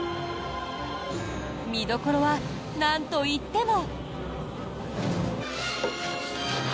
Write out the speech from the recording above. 見どころはなんと言っても。